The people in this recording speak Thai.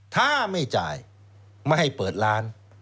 ถ้าไม่จ่ายไม่ให้เปิดร้าน